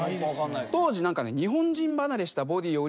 当時何かね。